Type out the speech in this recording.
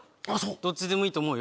どっちでもいいと思うよ